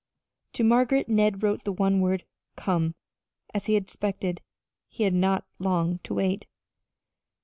To Margaret Ned wrote the one word "Come," and as he expected, he had not long to wait.